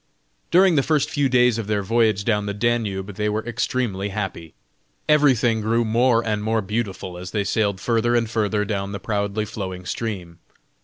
During the first few days of their voyage down the Danube they were extremely happy. Everything grew more and more beautiful as they sailed further and further down the proudly flowing stream.